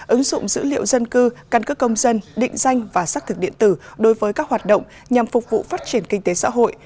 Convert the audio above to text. ứng dụng dữ liệu dân cư căn cứ công dân định danh và xác thực điện tử đối với các hoạt động nhằm phục vụ phát triển kinh tế xã hội